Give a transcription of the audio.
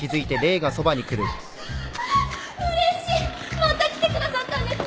また来てくださったんですね。